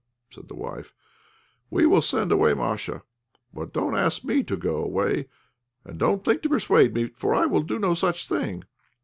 said the wife, "we will send away Masha; but don't ask me to go away, and don't think to persuade me, for I will do no such thing.